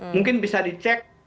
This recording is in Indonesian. mungkin bisa dicek